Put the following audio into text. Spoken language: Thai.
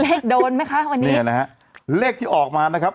เลขโดนไหมคะวันนี้เนี่ยนะฮะเลขที่ออกมานะครับ